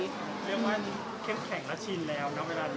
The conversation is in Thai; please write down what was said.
เรื่องว่าเข้มแข็งแล้วชินแล้วนะ